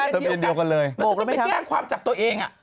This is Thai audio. อธิบาย